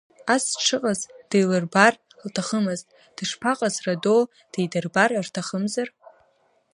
Ас дшыҟаз дилырбар лҭахымызт, дышԥаҟаз Радоу, дидырбар рҭахымзар?